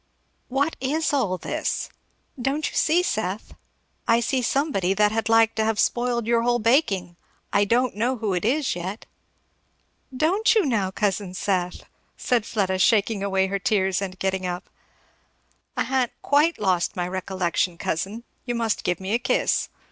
"What is all this?" "Don't you see, Seth?" "I see somebody that had like to have spoiled your whole baking I don't know who it is, yet." "Don't you now, cousin Seth?" said Fleda shaking away her tears and getting up. "I ha'n't quite lost my recollection. Cousin, you must give me a kiss.